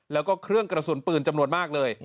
แล้วก็เครื่องกระสุนปืนจำนวนมากเลย